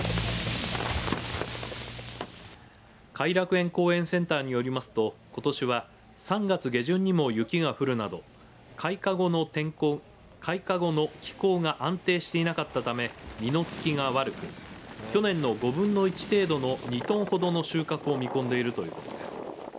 偕楽園公園センターによりますとことしは３月下旬にも雪が降るなど開花後の気候が安定していなかったため実のつきが悪く去年の５分の１程度の２トンほどの収穫を見込んでいるということです。